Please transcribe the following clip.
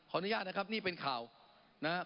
อนุญาตนะครับนี่เป็นข่าวนะครับ